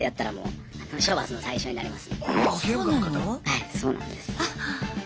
はいそうなんです。